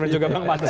dan juga pak matus